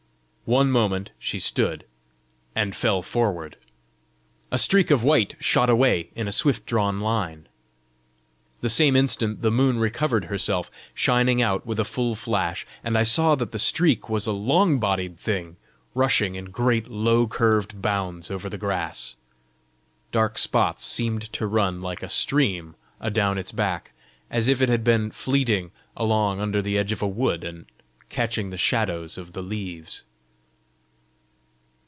One moment she stood and fell forward. A streak of white shot away in a swift drawn line. The same instant the moon recovered herself, shining out with a full flash, and I saw that the streak was a long bodied thing, rushing in great, low curved bounds over the grass. Dark spots seemed to run like a stream adown its back, as if it had been fleeting along under the edge of a wood, and catching the shadows of the leaves.